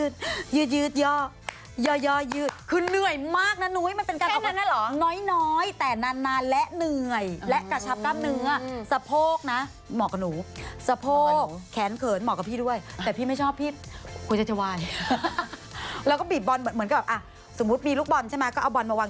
ซึ่งมันจะเจ็บลึกเวลาแบบว่าเช้าวันต่อมาที่หลังจากเราไปเล่น